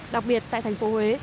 đặc biệt tại thành phố huế